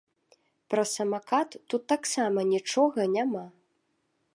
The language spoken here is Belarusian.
Пра самакат тут таксама нічога няма!